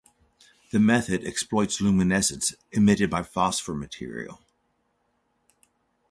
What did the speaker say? The method exploits luminescence emitted by phosphor material.